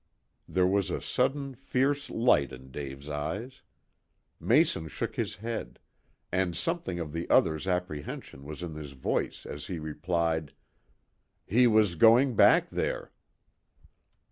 There was a sudden, fierce light in Dave's eyes. Mason shook his head, and something of the other's apprehension was in his voice as he replied "He was going back there."